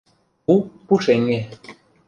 Пу — пушеҥге.